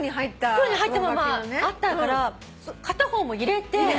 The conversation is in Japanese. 袋に入ったままあったから片方も入れてそ